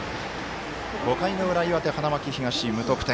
５回の裏、岩手、花巻東、無得点。